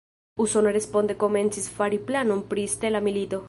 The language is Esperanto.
Usono responde komencis fari planon pri "stela milito".